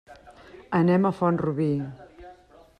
Anem a Font-rubí.